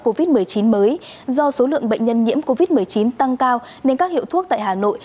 covid một mươi chín mới do số lượng bệnh nhân nhiễm covid một mươi chín tăng cao nên các hiệu thuốc tại hà nội